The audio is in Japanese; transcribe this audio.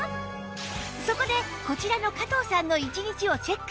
そこでこちらの加藤さんの１日をチェック！